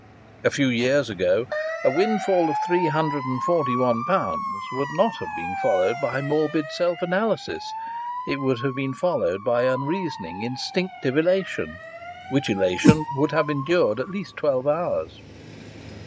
A few years ago a windfall of three hundred and forty one pounds would not have been followed by morbid self analysis; it would have been followed by unreasoning, instinctive elation, which elation would have endured at least twelve hours.